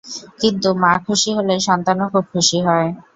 কিন্তু মা খুশি হলে সন্তানও খুব খুশি হয়।